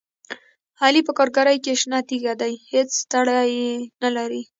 علي په کارګرۍ کې شنه تیږه دی، هېڅ ستړیې نه لري.